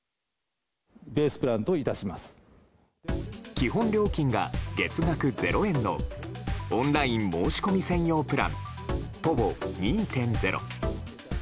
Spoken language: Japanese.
基本料金が月額０円のオンライン申し込み専用プランｐｏｖｏ２．０。